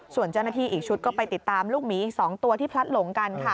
ส่วนเจ้าหน้าที่อีกชุดก็ไปติดตามลูกหมีอีก๒ตัวที่พลัดหลงกันค่ะ